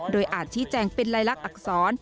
โดยอาจชี้แจงเป็นลายลักษณอักษร